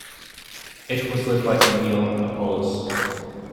It was led by Emil Appolus.